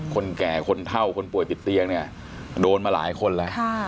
คนแก่คนเท่าคนป่วยติดเตียงเนี่ยโดนมาหลายคนแล้ว